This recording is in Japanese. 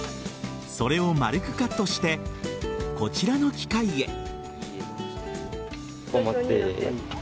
それを丸くカットしてこちらの機械へ。